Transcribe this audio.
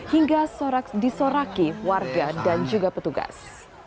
hingga disoraki warga dan juga petugas